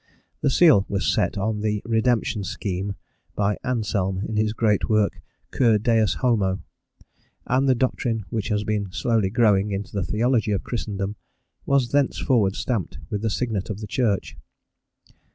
The seal was set on the "redemption scheme" by Anselm in his great work, "Cur Deus Homo" and the doctrine which had been slowly growing into the theology of Christendom was thenceforward stamped with the signet of the Church.